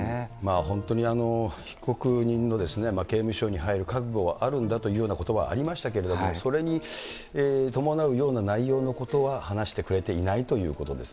本当に被告人の刑務所に入る覚悟はあるんだというようなことはありましたけれども、それに伴うような内容のことは話してくれていないということです